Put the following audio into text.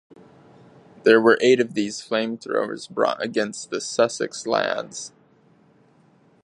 There were eight of these flamethrowers brought against the Sussex lads.